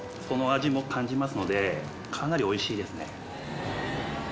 その味も感じますのでかなりおいしいですね。